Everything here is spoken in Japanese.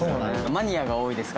マニアが多いですからね